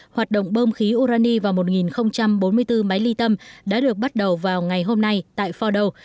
hoạt động bơm khí urani vào một bốn mươi bốn máy ly tâm đã được bắt đầu vào ngày hôm nay tại fordow